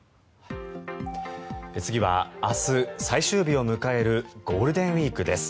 次は明日、最終日を迎えるゴールデンウィークです。